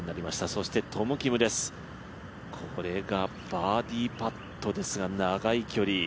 そしてトム・キムです、これがバーディーパットですが長い距離。